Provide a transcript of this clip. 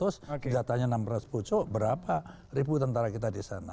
senjatanya enam ratus pucuk berapa ribu tentara kita di sana